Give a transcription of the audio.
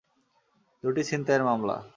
দুটি ছিনতাইয়ের মামলা।